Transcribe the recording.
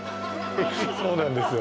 そうなんですよ